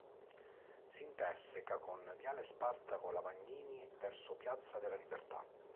Si interseca con Viale Spartaco Lavagnini verso Piazza della Libertà.